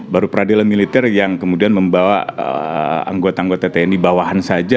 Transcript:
baru peradilan militer yang kemudian membawa anggota anggota tni bawahan saja